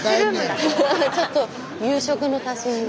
ちょっと夕食の足しに。